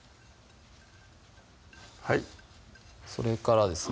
はいそれからですね